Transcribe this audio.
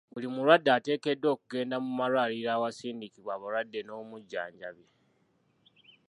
Buli mulwadde ateekeddwa okugenda mu malwaliro awasindikibwa abalwadde n'omujjanjabi.